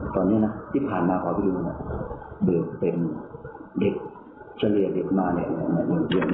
ตอนเนี้ยนะที่ผ่านมาขอพี่ดูก่อนบริเวณเล็กเฉลี่ยเด็กมาเหรอ